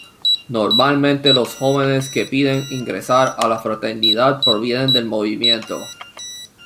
Normalmente los jóvenes que piden ingresar a la Fraternidad provienen del movimiento.